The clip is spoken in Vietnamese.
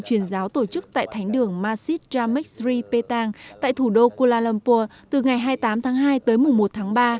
truyền giáo tổ chức tại thánh đường massidramex ri petang tại thủ đô kuala lumpur từ ngày hai mươi tám tháng hai tới mùng một tháng ba